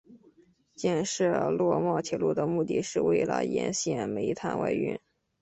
建设洛茂铁路的目的是为了沿线煤炭外运。